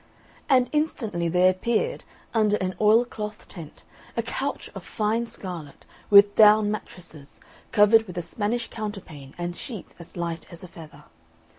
And instantly there appeared, under an oilcloth tent, a couch of fine scarlet, with down mattresses, covered with a Spanish counterpane and sheets as light as a feather.